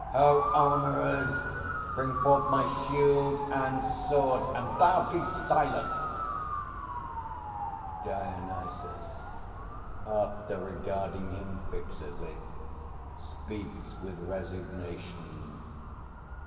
Ho, armourers! Bring forth my shield and sword! And thou, be silent! DIONYSUS (after regarding him fixedly, speaks with resignation).